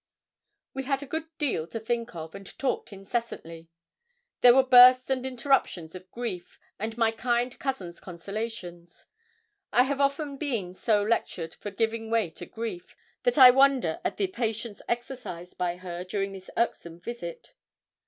We had a good deal to think of, and talked incessantly. There were bursts and interruptions of grief, and my kind cousin's consolations. I have often since been so lectured for giving way to grief, that I wonder at the patience exercised by her during this irksome visit.